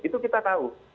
itu kita tahu